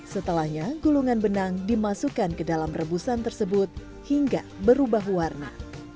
setelahnya gulungan benang dimasukkan ke dalam rebusan tersebut hingga berubah warna